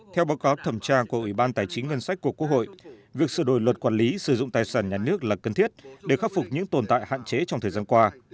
theo báo cáo thẩm tra của ủy ban tài chính ngân sách của quốc hội việc sửa đổi luật quản lý sử dụng tài sản nhà nước là cần thiết để khắc phục những tồn tại hạn chế trong thời gian qua